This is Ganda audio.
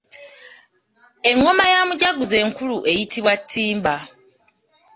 Engoma ya mujaguzo enkulu eyitibwa Ttimba.